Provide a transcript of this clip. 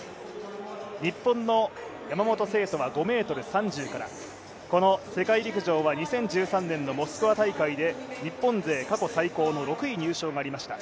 日本の山本聖途は５ｍ３０から、世界陸上は２０１３年のモスクワ大会で日本勢過去最高の６位入賞がありました。